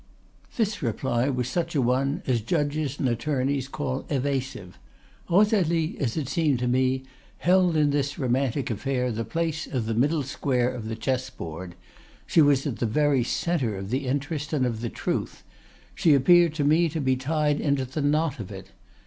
"This reply was such an one as judges and attorneys call evasive. Rosalie, as it seemed to me, held in this romantic affair the place of the middle square of the chess board: she was at the very centre of the interest and of the truth; she appeared to me to be tied into the knot of it.